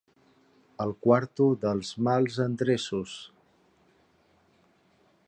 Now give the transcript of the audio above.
El quarto dels mals endreços.